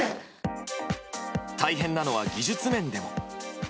大変なのは技術面でも。